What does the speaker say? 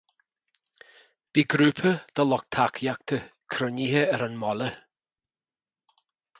Bhí grúpa de lucht tacaíochta cruinnithe ar an mbaile.